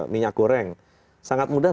minyak goreng sangat mudah